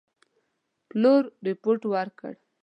پلور رپوټ ورکړ.